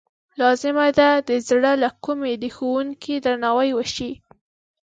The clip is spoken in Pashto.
لازمه ده چې د زړه له کومې د ښوونکي درناوی وشي.